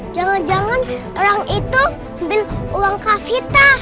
jangan jangan orang itu ambil uang kak vita